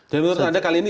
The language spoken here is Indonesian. jadi menurut anda kali ini